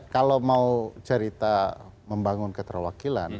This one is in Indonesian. kalau mau cerita membangun keterwakilan